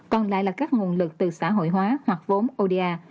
còn lại là các nguồn lực từ xã hội hóa hoặc vốn oda